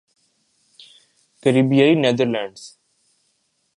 کریبیائی Netherlands